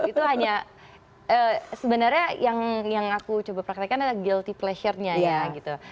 itu hanya sebenarnya yang aku coba praktekkan adalah gilty pleasure nya ya gitu